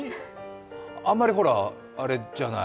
あんまり、ほら、あれじゃない。